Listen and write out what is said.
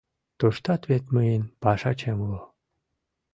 — Туштат вет мыйын пашачем уло.